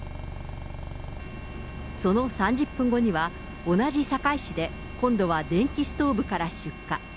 その３０分後には、同じ堺市で今度は電気ストーブから出火。